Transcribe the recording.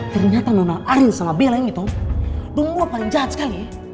ternyata nona arin sama bella ini tuh dong gua paling jahat sekali